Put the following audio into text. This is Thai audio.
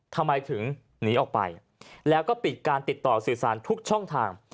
ทำไมถึงหนีออกไปแล้วก็ปิดการติดต่อสื่อสารทุกช่องทาง